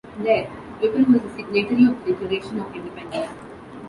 There, Whipple was a signatory of the Declaration of Independence.